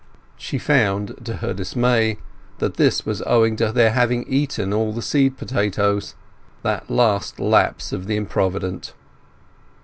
She found, to her dismay, that this was owing to their having eaten all the seed potatoes,—that last lapse of the improvident.